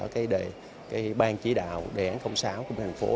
cái ban chỉ đạo đề án sáu của thành phố